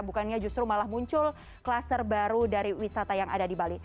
bukannya justru malah muncul klaster baru dari wisata yang ada di bali